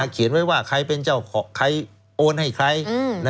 เขียนไว้ว่าใครเป็นเจ้าของใครโอนให้ใคร